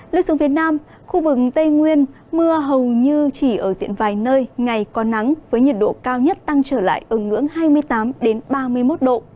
lưu xuống phía nam khu vực tây nguyên mưa hầu như chỉ ở diện vài nơi ngày có nắng với nhiệt độ cao nhất tăng trở lại ở ngưỡng hai mươi tám ba mươi một độ